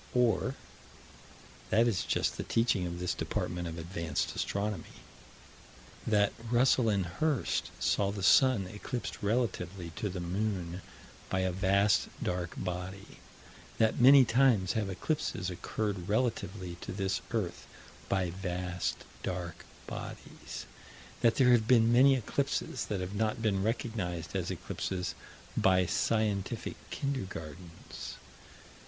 Or: That is just the teaching of this department of Advanced Astronomy: That Russell and Hirst saw the sun eclipsed relatively to the moon by a vast dark body: That many times have eclipses occurred relatively to this earth, by vast, dark bodies: That there have been many eclipses that have not been recognized as eclipses by scientific kindergartens.